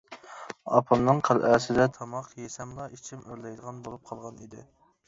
ئاپامنىڭ قەلئەسىدە تاماق يېسەملا ئىچىم ئۆرلەيدىغان بولۇپ قالغان ئىدى.